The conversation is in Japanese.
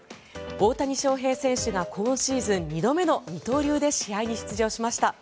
大谷翔平選手が今シーズン２度目の二刀流で試合に出場しました。